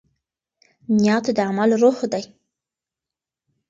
نیت د عمل روح دی.